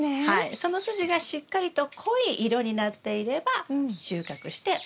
その筋がしっかりと濃い色になっていれば収穫してＯＫ。